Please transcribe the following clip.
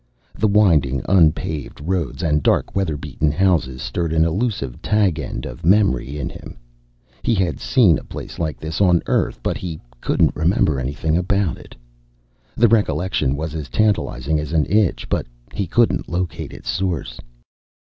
The winding, unpaved roads and dark, weatherbeaten houses stirred an elusive tag end of memory in him. He had seen a place like this on Earth, but he couldn't remember anything about it. The recollection was as tantalizing as an itch; but he couldn't locate its source.